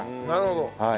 なるほど。